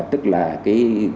tức là cái